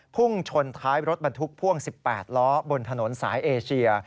พุ่งชนท้ายรถบรรทุกพ่วง๑๘ล้อบนถนนสายเอเชีย